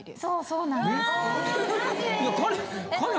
そうなんです。